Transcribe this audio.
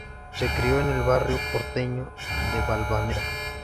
Se crio en el barrio porteño de Balvanera.